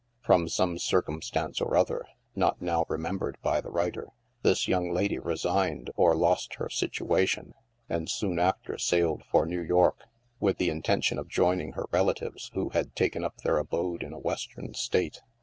From some circumstance or another, not now remembered by the writer, this young lady resigned or lost her situation, and soon after sailed for New York, with the intention of joining her rela tives, who had taken up their abode in a Western state.